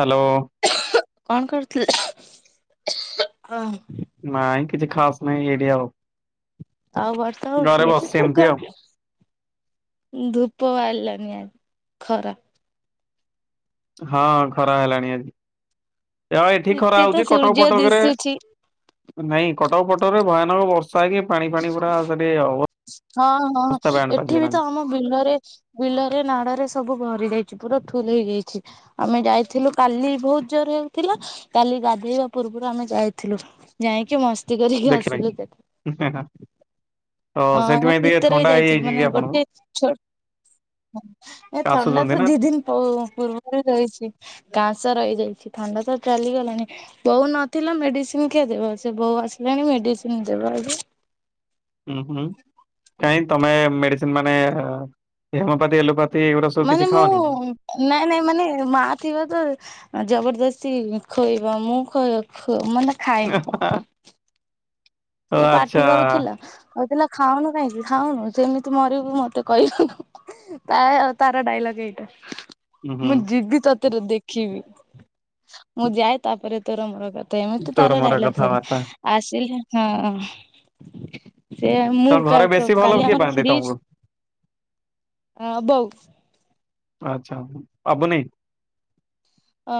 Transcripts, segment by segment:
Hello. କଣ କରୁଥିଲେ ହଁ। ନାଇଁ କିଛି ଖାସ୍ ନାଇଁ ଏଇଠି ଆଉ। ଆଉ ବର୍ଷା ଘରେ ହଉଚି ବସିଛି ଏମିତି ଏଠିତ ଆଉ। ଧୂପ ବାହାରିଲାନି ଆଜି ଖରା ହଁ ଖରା ହେଲାଣି ଆଜି ଯାଉ ଏଠି ଖରା ଟିକେ ତ ହଉଚି କଟକ ସୂର୍ଯ୍ୟ ଫଟକରେ ଦିଶୁଛି ନାଇଁ କଟକ ଫଟରେ ଭୟାନକ ବଷ୍ ସ ପାଣି ଫାଣି ପୁରା ହଁ ହଁ ଅବସ୍ଥି ବ୍ୟାଡ୍ ଏଠି ବି ତ ବାଜିଗଲାଣି। ଆମ ବିଲରେ ବିଲରେ ନାଡରେ ସବୁ ଭରି ଯାଇଚି ପୁରା ଫୁଲ୍ ହେଇଯାଇଚି। ଆମେ ଯାଇଥିଲୁ କାଲି ବହୁତ୍ ଜୋରେ ହେଉଥିଲା କାଲି ଗାଧେଇବା ପୂର୍ବରୁ ଆମେ ଯାଇଥିଲୁ। ଯାଇକି ମସ୍ତି କରିକି ଦେଖିନାହିଁ ଆସିଲୁ ଏକାଥରେ। [unintelligible] ତ ହଁ ସେଥିପାଇଁ ଟିକେ ଭିତରେବି ଥଣ୍ଡା ଯାଇଥିଲୁ ହେଇଯାଇଛି କି ମାନେ ଆପଣଙ୍କୁ? ଗୋଟେ ଛୁ ଏ ଆସୁଛନ୍ତି ଥଣ୍ଡାତ ନା ଦି ଦିନ ପୁ ପୂର୍ବରୁ ରହିଚି। କାଁସ ରହିଯାଇଛି ଥଣ୍ଡାତ ଚାଲିଗଲାଣି ବୋଉ ନଥିଲା ମେଡ଼ିସିନ୍ କିଏ ଦବ ସେ ବୋଉ ଆସିଲାଣି ମେଡ଼ିସିନ୍ ଦବ ଆଜି। ହୁଁ ହୁଁ କାଇଁ ତମେ ମେଡ଼ିସିନ୍ ମାନେ ହେମପାତି ଏଲୋପା ଏଗୁଡ଼ା ସବୁ ମାନେ କିଛି ମୁଁ ଖାଅନିକି? ନାଇଁ ନାଇଁ ମାନେ ମା ଥିବାଙ୍କୁ ଜବରଦସ୍ତି ଖୁଇବ ମୁଁ ଖୁଇ ଖୁ ମୁଁ ମାନେ ଖାଏନା [unintelligible] ଓ ସିଏ ପାଟି ଆଚ୍ଛା। କରୁଥିଲା କହୁଥିଲା ଖାଉନୁ କାହିଁକି ଖାଉନୁ ସେମିତି ମରିବୁ ମତେ କହିବୁନି ତା ତାର ଡାଇଲଗ୍ ଏଇଟା। ହୁଁ ହୁଁ ମୁଁ ଯିବି ତତେରେ ଦେଖିବି ମୁଁ ଯାଏ ତାପରେ ତୋର ମର କ ଏମିତି ତୋର ତାର ମୋର ଡାଇଲଗ ସବୁ କଥାବାର୍ତ୍ତା ଆସିଲେ ହଁ। ସେ ମୁଁ ତ କା ଘରେ କ ବେଶୀ ଭଲ କାଲି କିଏ ଆମର ପାଆନ୍ତି ଫ୍ରିଜ୍ ତମକୁ? ବୋଉ ଆଚ୍ଛା ପାବୁନି ଅ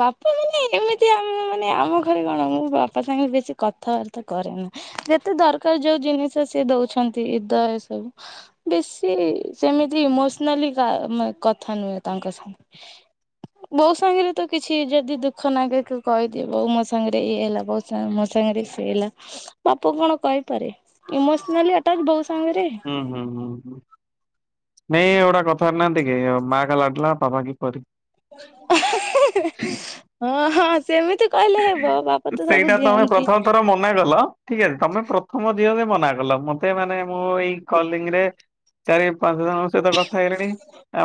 ବାପା ମାନେ ଏମିତି ଆମ ମାନେ ଆମ ଘରେ କଣ ମୁଁ ବାପା ସାଙ୍ଗରେ ବେଶୀ କଥା ର୍ତ୍ତା କରେନି ଯେତେ ଦରକାର୍ ଯୋଉ ଜିନିଷ ସିଏ ଦଉଛନ୍ତି ଇଦ ଏ ସବୁ। ବେଶୀ ସେମିତି ଇମୋସନାଲି କା ମ କଥା ନୁହେଁ ତାଙ୍କ ସାଙ୍ଗେ ବୋଉ ସାଙ୍ଗରେତ କିଛି ଯଦି ଦୁଃଖ ନାଗେ କହିଦିଏ ବୋଉ ମୋ ସାଙ୍ଗରେ ଇଏ ହେଲା ବୋଉ ମୋ ସାଙ୍ଗରେ ସିଏ ହେଲା ବାପାକୁ କଣ କହିପାରେ ଇମୋସନାଲି ଆଟାଚ୍ ବୋଉ ସାଙ୍ଗରେ। ହୁଁ ହୁଁ ହୁଁ ହୁଁ ନାଇଁ ଏଉଟା କଥା ହଉ ନାହିକି ମାକା ଲାଡ଼ଲା ବାପାକି ପରି। [unintelligible] ହଁ, ହଁ ସେମିତି କହିଲେ ହେବ ବାପା ତ ସବୁ ସେଇଟା ତମେ ଦିଅନ୍ତି ପ୍ରଥମ ଥର ମନା କଲ। ଠିକ୍ ଅଛି ତମେ ପ୍ରଥମ ଝିଅ ଯେ ମନା କଲ ମତେ ମାନେ ମୁଁ ଏଇ କଲିଙ୍ଗ୍ ରେ ଚାରି ପାଞ୍ଚ ଜଣଙ୍କ ସହିତ କଥା ହେଇଲିଣି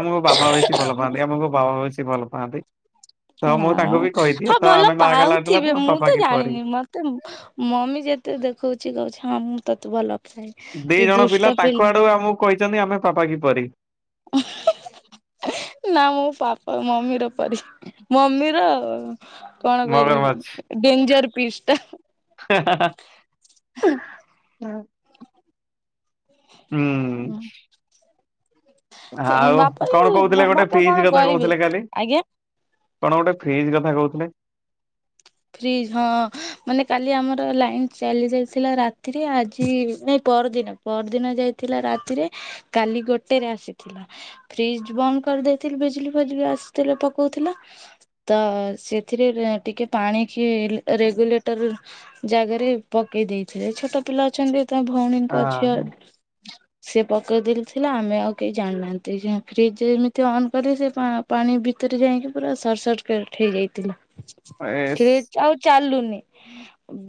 ଆମକୁ ବାବା ବେଶୀ ଭଲ ପାଆନ୍ତି, ଆମକୁ ବାବା ବେଶୀ ସେ ଭଲ ପାଆନ୍ତି। ତ ମୁଁ ନା-ଆଁ, ତାଙ୍କୁ ବି କହିଦିଏ ହଁ ତ ଭଲ ଆମେ ମା କା ଲାଡଲା ପାଉଥିବେ! ତମେ ମୁଁ ପାପା ତ କି ପରି। ଜାଣିନି। ମତେ ମମି ଯେତେ ଦେଖଉଛି କହୁଛି, ହଁ, ମୁଁ ତତେ ଭଲ ପାଏ ଦି ତୁ ଜଣ ପିଲା ଦୁଷ୍ଟ ତାଙ୍କ ଆଡୁ ଆମକୁ କହିଚନ୍ତି, ଆମେ ପାପା କି ପରୀ। [unintelligible] ନାଁ, ମୁଁ ପାପା ମମିର ପରୀ। ମମିର କଣ ମଗରମାଛ। କହିବି? ଡେଞ୍ଜର ପିସ୍ ଟା। [unintelligible] ହୁଁ ଉଁ। ଆଉ କଣ କହୁଥିଲେ ଗୋଟେ ଫ୍ରିଜ୍ କଣ କଥା କହିବେ କହୁଥିଲେ କାଲି? ଆଜ୍ଞା କଣ ଗୋଟେ ଫ୍ରିଜ୍ କଥା କହୁଥିଲେ? ଫ୍ରିଜ୍ ହଁ, ମାନେ କାଲି ଆମର ଲାଇନ୍ ଚାଲି ଯାଇଥିଲା ରାତିରେ ଆଜି ନାଇଁ, ପଅରଦିନ ପଅରଦିନ ଯାଇଥିଲା ରାତିରେ, କାଲି ଗୋଟେରେ ଆସିଥିଲା। ଫ୍ରିଜ୍ ବନ୍ଦ କରିଦେଇଥିଲି ବିଜୁଲି ଫିଜୁଲି ଆସିଥିଲା ପକଉଥିଲା। ତ ସେଥିରେଁ ଟିକେ ପାଣି କିଏ ରେଗୁଲେଟର ଜାଗାରେ ପକେଇ ଦେଇଥିଲେ। ଛୋଟ ପିଲା ଅଛନ୍ତି। ତମ୍ ଭଉଣୀଙ୍କ ଝିଅ ସେ ପକେଇଦେଇ ଥିଲା ଆମେ ଆଉ କେହି ଜାଣିନାହାଁନ୍ତି? ଫ୍ରିଜ୍ ଏମିତି ଅନ୍ କଲେ ସେ ପାଁ ପାଣି ଭିତରେ ଯାଇଁକି ପୁରା ସର୍ ସର୍କିଟ୍ ହେଇଯାଇଥିଲା। ଫ୍ରିଜ୍ ଆଉ ଚାଲୁନି।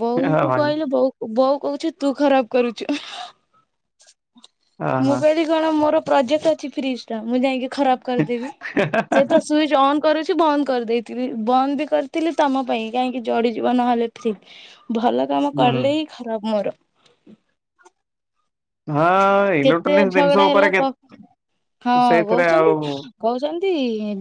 ବୋଉକୁ କହିଲେ ବୋଉ ବୋଉ କହୁଛି ତୁ, ଖରାପ କରୁଛୁ। [unintelligible] ମୁଁ କହିଲି କଣ ମୋର ପ୍ରୋଜେକ୍ଟ ଅଛି ଫ୍ରିଜ୍ ର ମୁଁ ଯାଇଁକି ଖରାପ କରିଦେବି? ସେତ ସୁଇଜ୍ ଅନ୍ କରୁଛି, ବନ୍ଦ କରିଦେଇଥିବି! ବନ୍ଦ ବି କରିଥିଲି। ତମ ପାଇଁ କାହିଁକି ଜଡିଯିବ ନହେଲେ ଫ୍ରି? ଭଲ ହୁଁ, ହଁ କାମ କଲେ ହି ଖରାପ୍ ମୋର। କେତେ ଇଲେକ୍ଟ୍ରୋନିକ୍ସ ଜିନିଷ ଝଗଡା ହେଲା ଉପରେ କେ କହ? ହଁ, ସେଇଥିରେ ଆଉ କହୁଛନ୍ତି। କହୁଛନ୍ତି,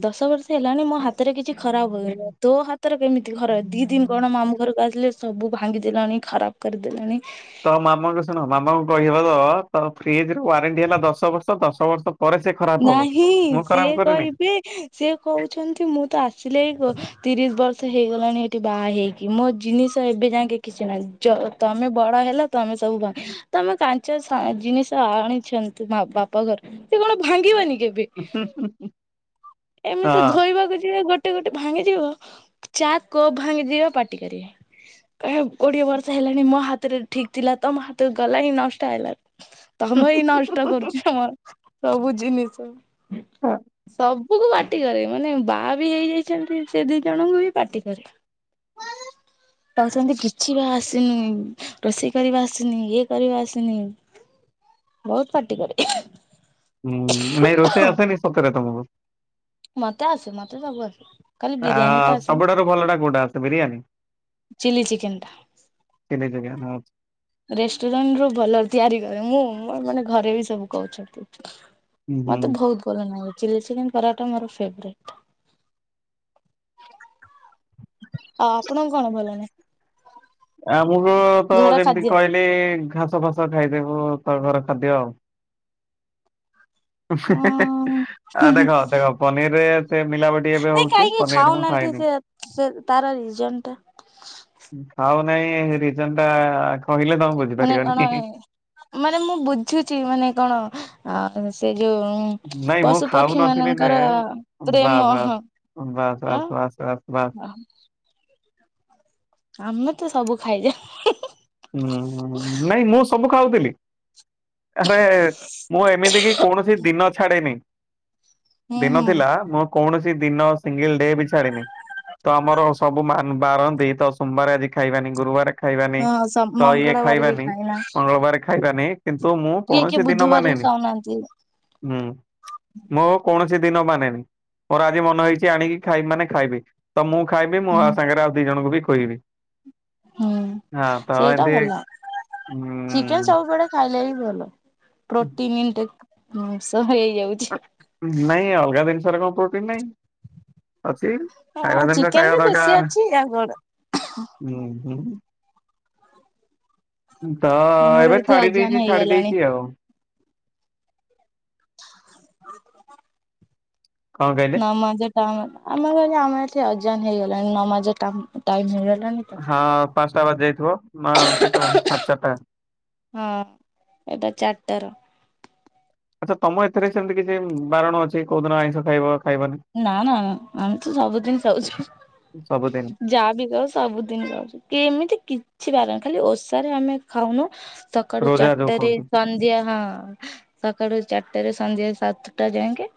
ଦଶ ବର୍ଷ ହେଲାଣି ମୋ ହାତରେ କିଛି ଖରାପ [unintelligible] ତୋ ହାତରେ କେମି ତି ଘର ଦି ଦିନ କଣ ମାମୁ ଘରକୁ ଆସିଲେ? ସବୁ ଭାଙ୍ଗିଦେଲାଣି, ଖରାପ୍ କରିଦେଲାଣି। ତମ ମାମାଙ୍କୁ ଶୁଣ, ମାମାଙ୍କୁ କହି [unintelligible] ତମ ଫ୍ରିଜ୍ ର ୱାରେଣ୍ଟି ହେଲା ଦଶ ବର୍ଷ। ଦଶ ବର୍ଷ ପରେ ସେ ଖରାପ ହବ। ନାହିଁ! ମୁଁ ଖରାପ ସିଏ କରିନି କହିବେ ସିଏ କହୁଛନ୍ତି ମୁଁ ତ ଆସିଲେ ଏଇ ତିରିଶ ବର୍ଷ ହେଇଗଲାଣି ଏଠି ବାହା ହେଇକ୍ କି ମୋ ଜିନିଷ ଏବେ ଯାଁକେ କିଛି ନାହିଁ। ଯ ତମେ ବଡ ହେଲ, ତମେ ସବୁ ଭଙ୍ଗ୍ ତମେ କାଞ୍ଚ୍ ସ ଜିନିଷ ଆଣିଛନ୍ତି ମା ବାପ ଘର, ସେ କଣ ଭାଙ୍ଗିବନି କେବ୍ ବେ? ହଁ। ଏମିତି ଧୋଇବାକୁ ଯିବେ ଗୋଟ୍ ଟେ ଗୋଟେ ଭାଙ୍ଗିଯିବ, ଚା' କପ୍ ଭାଙ୍ଗି ଯିଅ ପାଟି କରିବେ। କହିଅ, କୋଡିଏ ବର୍ଷ ହେଲାଣି ମୋ ହାତରେ ଠିକ୍ ଥିଲା, ତମ ହାତକୁ ଗଲା ହିଁ, ନଷ୍ଟ ହେଲା। ତମେ ହି ନଷ୍ଟ କରୁଛ, ସବୁ ଜିନିଷ। ହଁ। ସବୁକୁ ପାଟି କରେ। ମାନେ ବାହା ବି ହେଇଯାଇଚନ୍ତି, ସେ ଦି ଜଣଙ୍କୁ ବି ପାଟି କରେ। [unintelligible] କହୁଚନ୍ତି, କିଛି ବା ଆସିନି? ରୋଷେଇ କରିବା ଆସିନି? ଇଏ କରିବା ଆସିନି? ବହୁତ୍ ପାଟି କରେ। ହୁଁ ନାଇଁ ରୋଷେଇ ଆସେନି ସତରେ ତମକୁ? ମତେ ଆସେ ମତେ ସବୁ ଆସେ। ଖାଲି ବିରିୟାନୀ ଟା ଆଉ ଆସେନି ସବୁଠାରୁ ଭଲଟା କୋଉଟା ବିରିୟାନୀ? ଚିଲି ଚିକେନ [unintelligible] ରେଷ୍ଟୁରାଣ୍ଟରୁ ଭଲ ତିଆରି କରେ ମୁଁ ମୋର ମାନେ ଘରେବି ସବୁ କହୁଚନ୍ତି। ହୁଁ ହୁଁ ମତେ ବହୁତ୍ ଭଲନାଗେ ଚିଲ୍ ଚିକେନ୍ ପରଟା ମୋର ଫେବୋରାଇଟ୍। ଆଉ ଆପଣଙ୍କୁ କଣ ଭଲ ଲାଗେ? ଆମକୁତ ଘର ଯେମିତି ଖାଦ୍ୟ କହିଲି ଘାସ ଫାସ ଖାଇଦେବୁ ତଘର ଖାଦ୍ୟ ଆଉ। ଉଁ ଆ ହୁଁ ହୁଁ ଦେଖ ଦେଖ ପନିରିରେ ସେ ମିଲାବଟ୍ ନାଇଁ କାହିଁକି ଖାଉନାହାନ୍ତିଯେ ସେ ତାର ରଜନ୍ ଟା? ଖାଉନାଇଁ ରିଜନଟା କହିଲେ ତମେ ବୁ ମାନେ କଣ ମାନେ ମୁଁ ବୁଝୁଚି ମାନେ କଣ ସେ ଯୋଉ ନାଇଁ ମୁଁ ପଶୁ ପକ୍ଷୀ ଖାଉନଥିଲି ମାନଙ୍କର ନୁହେଁ ବାସ୍ ପ୍ରେମ ବାସ୍। ହଁ। ବାସ୍ ଆଁ ବାସ୍ ବାସ୍ ବାସ୍ ବାସ୍। ଆମେତ ସବୁ ଖାଇଯାଉ। ହୁଁ ନାଇଁ ମୁଁ ସବୁ ଖାଉଥିଲି ଆରେ ମୁଁ ଏମିତିକି କୌଣସି ଦିନ ଛାଡ଼େନି ହୁଁ ଦିନ ହୁଁ ଥିଲା ମୁଁ କୌଣସି ଦିନ ସିଙ୍ଗଲଡେବି ଛାଡ଼େନି ତ ଆମର ସବୁ ମା ବାର ବାରନ୍ତିତ ସୋମବାର ଆଜି ଖାଇବାନି ଗୁରୁବାର ଖାଇବାନି। ହଁ ସ ତ ଇଏ ମଙ୍ଗଳବାର ବି ଖାଇବାନି ଖାଇନା ମଙ୍ଗଳବାର ଖାଇବାନି କିନ୍ତୁ ମୁଁ କିଏ କିଏ କୌଣସି ଦିନ ବୁଧବାର ବି ମାନେନି ଖାଉନାହାନ୍ତି ହୁଁ। ମୋ କୌଣସି ଦିନ ମାନେନି ମୋର ଆଜି ମନେ ହେଇଚି ଆଣିକି ଖାଇବି ମାନେ ଖାଇବି ତ ମୁଁ ଖାଇବି ମୁଁ ହୁଁ ସାଙ୍ଗରେ ଆଉ ଦି ଜଣଙ୍କୁବି ଖୋଇବି ହୁଁ ହଁ। ତ ସେଇଟା ଏମତି ଭଲ ଚିକେନ୍ ଉଁ ଚାଉ ଡେ ଖାଇଲେବି ଭଲ ପ୍ରୋଟିନ୍ [unintelligible] ସେହେଇଯାଉଚି। ନାଇଁ ଅଲଗା ଜିନିଷରେ କଣ ପ୍ରୋଟିନ୍ ନାଇଁ ଅଛି। ହଁ ଖାଇବା ଜିନିଷ ଚିକେନ ଖାଇବା ରେ ବେଶୀ ଦରକାର୍ ଅଛି ଆଉ କଣ ହୁଁ ହୁଁ। ତ ଆମର ଏବେ ଏଠି ଛାଡ଼ି ଅଜାନ ଦେଇେଚି ଛାଡ଼ି ହେଇଗଲାଣି। ଦେଇଚି ଆଉ। [inaudible] କଣ କହିଲେ? ନମାଜ ଟ ଆମ କହ ଆମ ଏଠି ଅଜାନ ହେଇଗଲାଣି ନମାଜ ଟାଇମ୍ ହେଇଗଲାଣି। ତ। ହଁ ପାଞ୍ଚଟା ବାଜି ଯାଇଥିବ ମା କେତେଟା ସାଢେ ଚାରିଟା। ହଁ ଏଇଟା ଚାରିଟାର। ଆଚ୍ଛା ତମ ଏଥିରେ ସେମିତି କିଛି ବାରଣ ଅଛି କୋଉଦିନ ଆଇଁଷ ଖାଇବ ଖାଇବନି? ନା ନା ନା ଆମେତ ସବୁଦିନ ଖାଉଚୁ ସବୁଦିନ ଯାହାବି ସବୁଦିନି ଖାଉଚି କେମିତି କିଛି ପାରୁନି ଖାଲି ଓଷାରେ ଆମେ ଖାଉନୁ ସକାଳୁ ରୋଜା ଯୋଉ ଚାରିଟାରେ କୁହନ୍ତି ସନ୍ଧ୍ୟା ହଁ। ସକାଳୁ ଚାରିଟାରେ ସନ୍ଧ୍ୟା ସାତଟା ଯାଇଏକି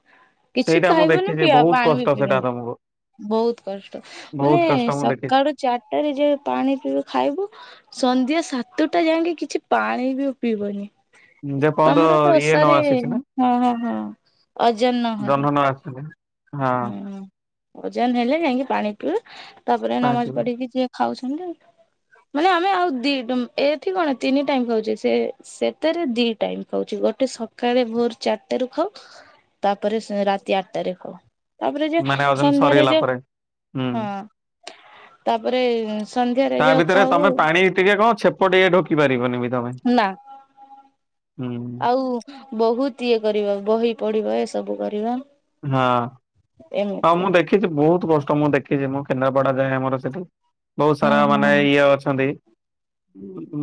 କିଛି ସେଇଟା ମୁଁ ଖାଇବନି ଦେଖିଛି ପିଇବା ବହୁତ ପାଣିବି କଷ୍ଟ ସେଟା ପିଇମିନି ତମକୁ। ବହୁତ୍ କଷ୍ଟ ମାନେ ବହୁତ କଷ୍ଟ ମୁଁ ଦେଖିଛି। ସକାଳୁ ଚାରିଟରେ ଯଉ ପାଣି ପିଇବୁ ଖାଇବୁ ସନ୍ଧ୍ୟା ସାତଟା ଯାଇକି କିଛି ପାଣିବି ପିଇବନି ଯେ ପର୍ଯ୍ୟନ୍ତ ତମରତ ଇଏ ନ ଓଷାରେ ଆସିଛି ନା ହଁ ହଁ ହଁ। ଅଜା ନହଲେ ଜହ୍ନ ନ ଆସିଛି। ହଁ ହୁଁ ଓଜାନ୍ ହେଲେ କାହିଁକି ପାଣି ପିଇ ତାପରେ ପାଣି ନମାଜ ପିଇବ ପଢିକି ଯିଏ ଖାଉଛନ୍ତି ଆଉ ମାନେ ଆମେ ଆଉ ଦି ଏଠି କଣ ତିନି ଟାଇମ୍ ଖାଉଛେ ସେ ସେଟାରେ ଦି ଟାଇମ୍ ଖାଉଚି ଗୋଟେ ସକାଳେ ଭୋର ଚାରିଟରୁ ଖାଉ ତାପରେ ରାତି ଆଠ ତାରିଖ। ତାପରେ ଯୋଉ ମାନେ ଓଜନ ସନ୍ଧ୍ୟାରେ ସରିଗଲା ଯୋଉ ପରେ ହୁଁ। ହଁ ତାପରେ ସନ୍ଧ୍ୟାରେ ତା ଯୋଉ ଭିତରେ ଖାଉ ତମେ ପାଣି ଟିକେ କଣ ଛେପ ଟିକେ ଢୋକି ପାରିବନି ତମେ। ନା। ହୁଁ। ଆଉ ବହୁତ ଇଏ କରିବା ବହି ପଢିବ ଏସବୁ କରିବା। ହଁ ହଁ ଏମିତିଆ। ମୁଁ ଦେଖିଛି ବହୁତ କଷ୍ଟ ମୁଁ ଦେଖିଛି ମୁଁ କେନ୍ଦ୍ରାପଡା ଯାଏ ଆମର ସେଠି ବହୁତ ହଁ ସାରା ମାନେ ହଁ। ଇଏ ଅଛନ୍ତି।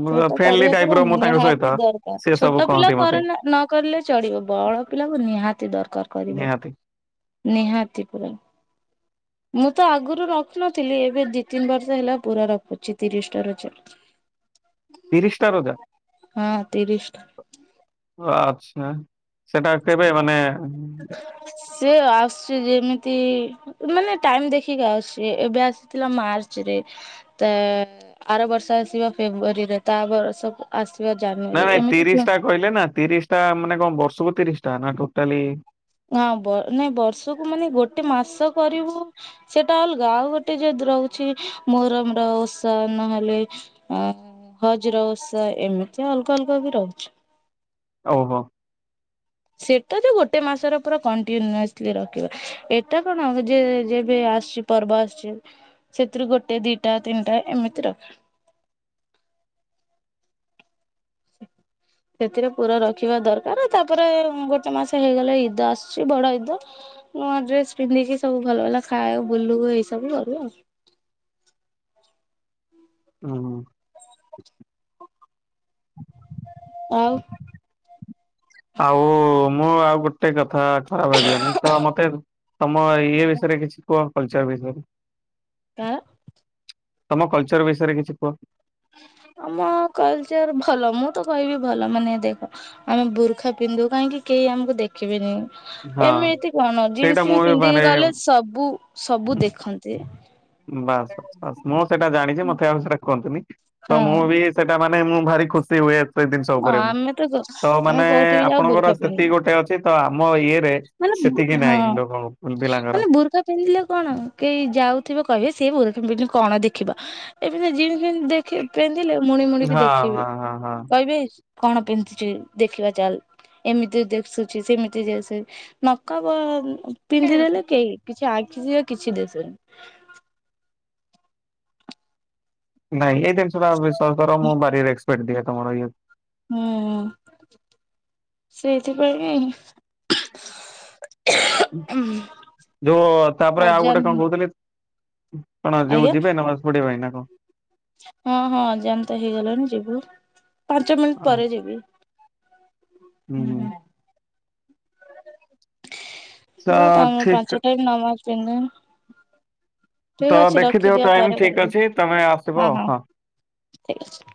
ସେଇଟା ଫ୍ରେଣ୍ଡଲି କରିବା ଟାଇପ ପୁରା ର ମୁଁ ତାଙ୍କ ନିହାତି ସହିତ। ସେ ଦରକାର ସବୁ ଛୋଟ ପିଲା କହନ୍ତି ମତେ କରନା ନ କରିଲେ ଚଳିବ ବଡ ପିଲାକୁ ନିହାତି ଦରକାର କରିବା। ନିହାତି ନିହାତି ପୁରା। ମୁଁ ତ ଆଗରୁ ରଖୁନଥିଲି ଏବେ ଦି ତିନି ବର୍ଷ ହେଲା ପୁରା ରଖୁଛି ତିରିଶଟା। [unintelligible] [inaudible] ତିରିଶଟା ରଜା। ତିରିଶ ଟା। ଓ ଆଚ୍ଛା ସେଟା କେବେ ମାନେ ସେ ଆସୁଛି ଯେମିତି ମାନେ ଟାଇମ ଦେଖିକି ଅଛି ଏବେ ଆସିଥିଲା ମାର୍ଚ୍ଚ ରେ। ତ ଆର ବର୍ଷ ଆସିବା ଫେବୃଆରୀରେ ତା ବର୍ଷ ଆସିବା ଜାନ ନାଇଁ ନାଇଁ ତିରିଶ ଟା କହିଲେ ନା ତିରିଶ ଟା ମାନେ କଣ ବର୍ଷକୁ ତିରିଶ ଟା ନା ଟୋଟାଲି। ହଁ ନାଇ ବର୍ଷକୁ ମାନେ ଗୋଟେ ମାସ କରିବୁ। ସେଇଟା ଅଲଗା ଆଉ ଗୋଟେ ଯଦି ରହୁଛି ମୋହରମ ର ଓଷା ନହେଲେ ଅ ବଜ୍ର ଓଷା ଏମିତି ଅଲଗା ଅଲଗା ବି ରହୁଛି। ଓହୋ। ସେଇଟା ତ ଗୋଟେ ମାସର ପୁରା କଣ୍ଟିନ୍ୟୁସଲି ରଖିବ। ଏଟା କଣ ଯେ ଯେବେ ଆସିଛି ପର୍ବ ଆସିଛି ସେଥିରୁ ଗୋଟେ ଦିଟା ତିନିଟା ଏମିତି ରଖେ। ସେ ସେଥିରେ ପୁରା ରଖିବା ଦରକାର। ତାପରେ ଗୋଟେ ମାସ ହେଇଗଲେ ଇଦ ଆସୁଛି ବଡ ଇଦ ନୂଆ ଡ୍ରେସ ପିନ୍ଧିକି ସବୁ ଭଲ ଭଲ ଖା ବୁଲୁ ଏଇ ସବୁ କରୁ ଆଉ। ଓହୋ। ଆଉ। ଆଉ ମୁଁ ଆଉ ଗୋ ଗୋଟେ କଥା ଖରାପ ଭାବିବନି। ତ ମତେ ତମ ଇଏ ବିଷୟରେ କିଛି କୁହ କଲଚର ବିଷୟରେ। ଆଁ। ତମ କଲଚର ବିଷୟରେ କିଛି କୁହ। ଆମ କଲଚର ଭଲ ମୁଁ ତ କହିବି ଭଲ ମାନେ ଦେଖ ଆମେ ବୁର୍ଖା ପିନ୍ଧୁ କାହିଁକି କେହି ଆମକୁ ଦେଖ ଖିବେନି। ହଁ ଏମିତି କଣ ସେଇଟା ଜିନ୍ସ ମୁଁ ଫିନ୍ ବି ମାନେ ପିନ୍ଧିକି ଗଲେ ସବୁ ସବୁ ଦେଖନ୍ତି। ବାସ୍ ବାସ୍ ବାସ୍ ମୁଁ ସେଇଟା ଜାଣିଛି ମତେ ଆଉ ସେଟା କୁହନ୍ତିୁନି। ତ ହଁ ମୁଁ ବି ସେଇଟା ମାନେ ମୁଁ ଭାରି ଖୁସି ହୁଏ। ସେଇ ଜିନିଷ ଉପରେ ମୁଁ ତ ଆମେ ମାନେ କୋଉଠି ବି ଯାଉ ଆପଣଙ୍କର ବୁର୍ଖା ପିନ୍ଧିନୁ ସେତିକି ଗୋଟେ ଅଛି ତ ଆମ ଇଏ ମାନେ ସେତିକି ହଁ ନାହିଁ ଲୋକଙ୍କୁ ଭୁଲ ପିଲାଙ୍କର। ମାନେ ବୁର୍ଖା ପିନ୍ଧିଲେ କଣ କେହି ଯାଉଥିବ କହିବେ ସେ [unintelligible] କଣ ଦେଖିବ ଏମିତି ଜିମ୍ ଫିମ୍ ଦେଖି କିଏ ପିନ୍ଧିଲେ ମୁଣି ମୁଣିିକି ହଁ ଦେଖିବେ ହଁ ହଁ ହଁ। କହିବେ କଣ ପିନ୍ଧିଛି ଦେଖିବା ଚାଲ ଏମିତି ଦିଶୁଚି ସେମିତି ଦିଶୁ ନକା ବା ଏମିତି କାଇଁ ପିନ୍ଧିଦେଲେ ରଖୁଛ? କେହି କିଛି ଆଖି ଯାଏ କିଛି ଦିଶିବନି। ନାଇଁ, ଏଇ ଜିନିଷଟା ବିଶ୍ୱାସକର ମୁଁ ଭାରି ରେକ୍ସପେକ୍ଟ ଦିଏ ତମର ଇଏ ହୁଁ ସେଇଥିପାଇଁ ଯୋଉ ତାପରେ ଆଉ ଗୋଟେ କଣ ଅଜାନ କହୁଥିଲି କଣ ଯୋଉ ଆଜ୍ଞା ଯିବେ ନା ଭାସ୍ ପଡିବା ପାଇଁ ନା କଣ? ହଁ ହଁ ଏକ୍ସାମ ତ ହେଇଗଲାଣି ଯିବୁ। ପାଞ୍ଚ ମିନିଟ୍ ପରେ ଆଚ୍ଛା ଯିବି। ଉଁ ହୁଁ। ତ ବତ୍ ଆମେ ଠିକ ପାଞ୍ଚ ଟାଇମ୍ ନମାଜ ପିନ୍ଧୁ। ତ ଠିକ୍ ଅଛି ଦେଖିଦିଅ ରଖିଦିଅ ଟାଇମ ପରେ ଠିକ କରିବି। ଅଛି ତମେ ଆସିବ ହଁ ହଁ ଠିକ୍ ଅଛି।